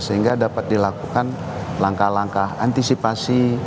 sehingga dapat dilakukan langkah langkah antisipasi